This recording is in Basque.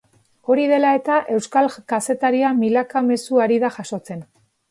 Hori dela eta euskal kazetaria milaka mezu ari da jasotzen.